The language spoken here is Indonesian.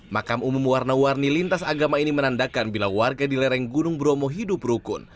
makam umum warna warni lintas agama ini menandakan bila warga di lereng gunung bromo hidup rukun